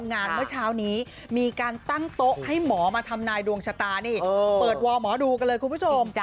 เมื่อเช้านี้มีการตั้งโต๊ะให้หมอมาทำนายดวงชะตานี่เปิดวอร์หมอดูกันเลยคุณผู้ชม